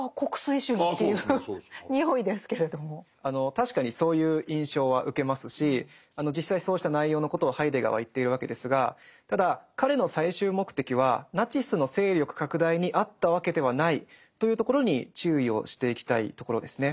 確かにそういう印象は受けますし実際そうした内容のことをハイデガーは言っているわけですがただ彼の最終目的はナチスの勢力拡大にあったわけではないというところに注意をしていきたいところですね。